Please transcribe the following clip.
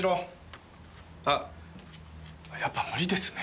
あっやっぱ無理ですね。